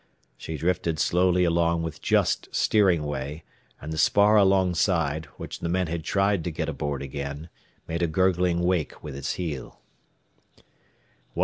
She drifted slowly along with just steering way, and the spar alongside, which the men had tried to get aboard again, made a gurgling wake with its heel.